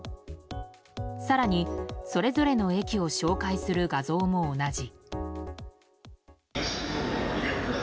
更に、それぞれの駅を紹介する画像も同じ。